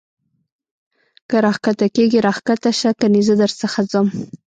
که را کښته کېږې را کښته سه کنې زه در څخه ځم.